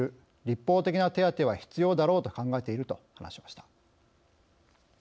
立法的な手当ては必要だろうと考えている」と話しました。